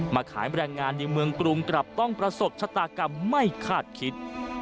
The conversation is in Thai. ขายแรงงานในเมืองกรุงกลับต้องประสบชะตากรรมไม่คาดคิด